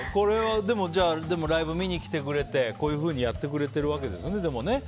でも、ライブを見に来てくれてこういうふうにやってくれてるんですね。